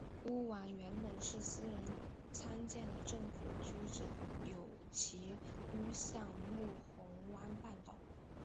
屋苑原本是私人参建的政府居者有其屋项目红湾半岛。